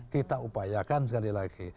kita upayakan sekali lagi